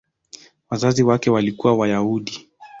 Wazazi wake walikuwa Wayahudi.